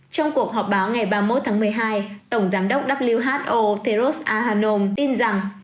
trong cuộc họp báo ngày ba mươi một tháng một mươi hai tổng giám đốc who teros ahanom tin rằng